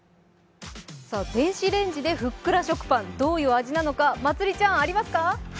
電子レンジでふっくら食パン、どういう味なのか、まつりちゃん、ありますか？